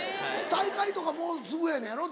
大会とかもうすぐやねんやろ？